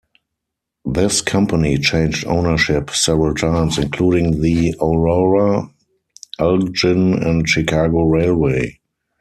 This company changed ownership several times, including the Aurora, Elgin and Chicago Railway.